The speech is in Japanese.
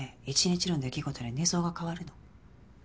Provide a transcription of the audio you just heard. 一日の出来事で寝相が変わるの。